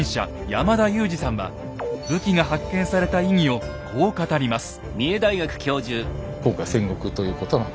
山田雄司さんは武器が発見した意義をこう語ります。